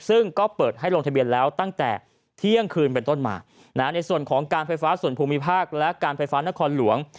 ซึ่งก็เปิดให้ลงทะเบียนแล้วตั้งแต่เที่ยงคืนเป็นต้นมาในส่วนของการไฟฟ้าส่วนภูมิภาคและการไฟฟ้านครหลวง